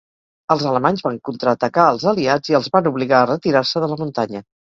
Els alemanys van contraatacar als aliats i els van obligar a retirar-se de la muntanya.